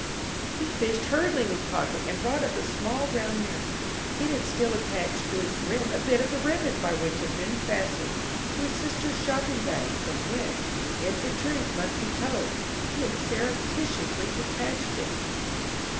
He fished hurriedly in his pocket and brought up a small round mirror. It had still attached to its rim a bit of the ribbon by which it had been fastened to his sister's shopping bag, from which, if the truth must be told, he had surreptitiously detached it.